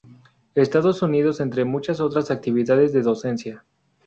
Estados Unidos entre muchas otras actividades de docencia.